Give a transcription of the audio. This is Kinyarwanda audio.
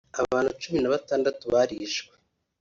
abantu cumi na batandatu barishwe